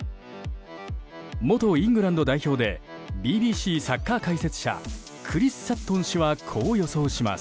元イングランド代表でＢＢＣサッカー解説者クリス・サットン氏はこう予想します。